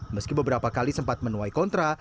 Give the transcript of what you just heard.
meski beberapa kali sempat menuai kontra